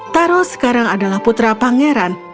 taro sekarang adalah putra pangeran